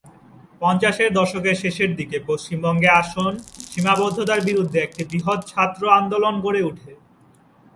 পঞ্চাশের দশকের শেষের দিকে, পশ্চিমবঙ্গে আসন সীমাবদ্ধতার বিরুদ্ধে একটি বৃহৎ ছাত্র আন্দোলন গড়ে ওঠে।